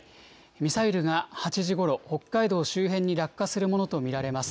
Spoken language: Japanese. ミサイルが８時ごろ、北海道周辺に落下するものと見られます。